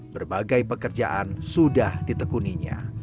berbagai pekerjaan sudah ditekuninya